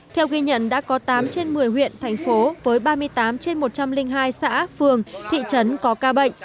theo ghi nhận đã có tám trên một mươi huyện thành phố với ba mươi tám trên một trăm linh hai xã phường thị trấn có ca bệnh